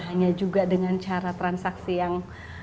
hanya juga dengan cara transaksi yang